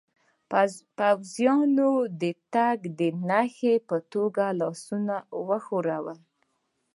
پوځیانو د تګ د نښې په توګه لاسونه و ښورول.